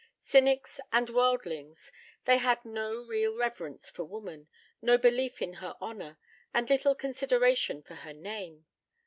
Cynics and worldlings, they had no real reverence for woman, no belief in her honor, and little consideration for her name.